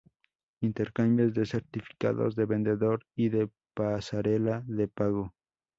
Intercambios de certificados de vendedor y de pasarela de pago.